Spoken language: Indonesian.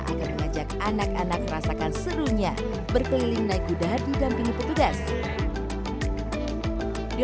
akan mengajak anak anak merasakan serunya berkeliling naik kuda di gamping petugas di